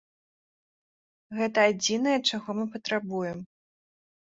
Гэта адзінае, чаго мы патрабуем.